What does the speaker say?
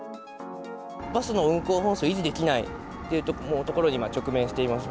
バスの運行本数を維持できないというところに今、直面しています。